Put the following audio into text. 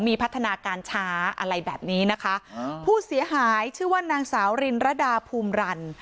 มีพัฒนาการช้าอะไรแบบนี้นะคะผู้เสียหายชื่อว่านางสาวรินรดาภูมิรัน